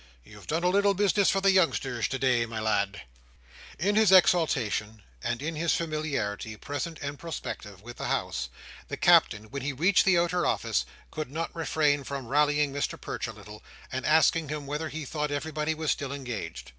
"You've done a little business for the youngsters today, my lad!" In his exultation, and in his familiarity, present and prospective, with the House, the Captain, when he reached the outer office, could not refrain from rallying Mr Perch a little, and asking him whether he thought everybody was still engaged.